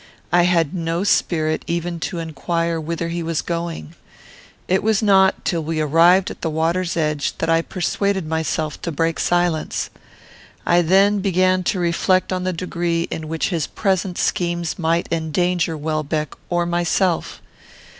I had no spirit even to inquire whither he was going. It was not till we arrived at the water's edge that I persuaded myself to break silence. I then began to reflect on the degree in which his present schemes might endanger Welbeck or myself.